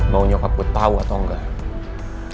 mau nyokap gue tahu atau enggak